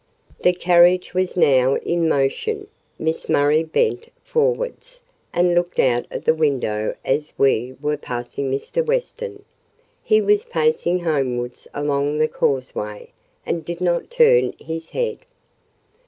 The carriage was now in motion. Miss Murray bent forwards, and looked out of the window as we were passing Mr. Weston. He was pacing homewards along the causeway, and did not turn his head.